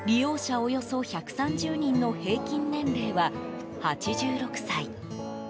およそ１３０人の平均年齢は、８６歳。